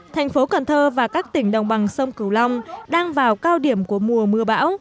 thành phố cần thơ và các tỉnh đồng bằng sông cửu long đang vào cao điểm của mùa mưa bão